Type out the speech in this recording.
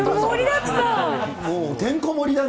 てんこ盛りだね。